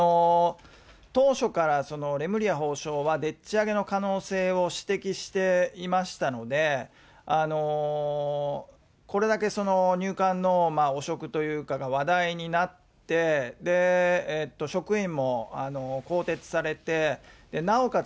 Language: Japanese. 当初からレムリヤ法相はでっち上げの可能性を指摘していましたので、これだけ入管の汚職というかが話題になって、職員も更迭されて、なおかつ